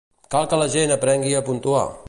Cal que la gent aprengui a puntuar.